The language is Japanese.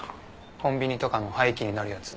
コンビニとかの廃棄になるやつ。